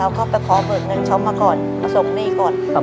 เราเข้าไปขอเบื้องเอามาก่อนมาส่งหนี้ก่อน